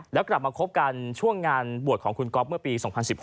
แล้วกลับมาคบกันช่วงงานบวชของคุณก๊อฟเมื่อปี๒๐๑๖